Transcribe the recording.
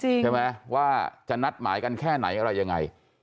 ใช่ไหมว่าจะนัดหมายกันแค่ไหนอะไรยังไง